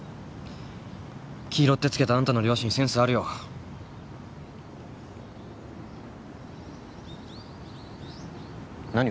きいろってつけたあんたの両親センスあるよ何？